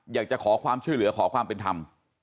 อยากจะขอความช่วยเหลือขอความเป็นธรรม